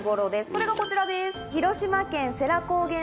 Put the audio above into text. それがこちらです。